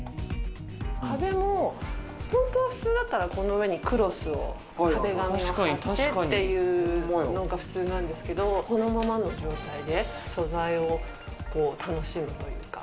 壁も本当は普通だったら、この上にクロスを壁紙を貼ってっていうのが普通なんですけど、このままの状態で素材を楽しむというか。